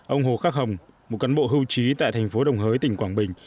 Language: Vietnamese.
ông hồ khắc hồng một cán bộ hưu trí tại thành phố đồng hới tỉnh quảng bình